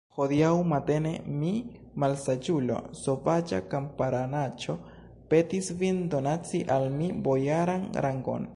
Hodiaŭ matene mi, malsaĝulo, sovaĝa kamparanaĉo, petis vin donaci al mi bojaran rangon.